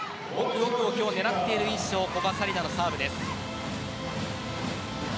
奥を狙っている古賀紗理那のサーブです。